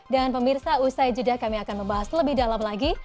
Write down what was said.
dan pemirsa usai jeda kami akan membahas lebih dalam lagi